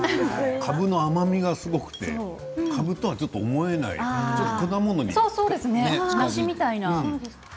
かぶの甘みがすごくあってかぶとは思えない、果物みたい。